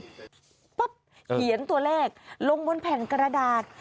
ปุ๊บเขียนตัวเลขลงบนแผ่นกระดาษ